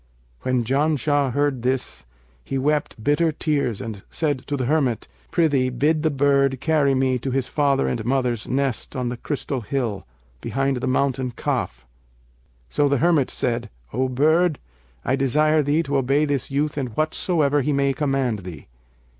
When Janshah heard this, he wept bitter tears and said to the hermit, 'Prithee bid the bird carry me to his father and mother's nest on the crystal hill, behind the Mountain Kaf.' So the hermit said, 'O bird, I desire thee to obey this youth in whatsoever he may command thee.'